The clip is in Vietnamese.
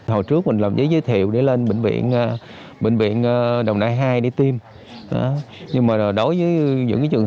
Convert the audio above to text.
hồi trước mình làm giấy giới thiệu để lên bệnh viện đồng đại hai để tiêm nhưng đối với những trường